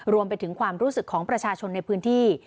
รวมไปถึงความรู้สึกของประชาชนในพื้นที่